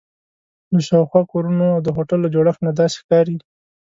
له شاوخوا کورونو او د هوټل له جوړښت نه داسې ښکاري.